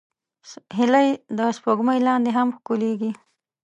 هیلۍ د سپوږمۍ لاندې هم ښکليږي